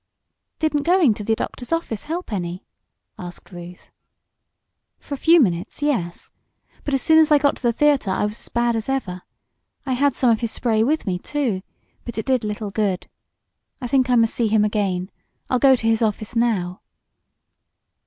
"Didn't going to the doctor's office help any?" asked Ruth. "For a few minutes yes. But as soon as I got to the theater I was as bad as ever. I had some of his spray with me, too, but it did little good. I think I must see him again. I'll go to his office now."